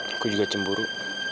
aku juga cemburu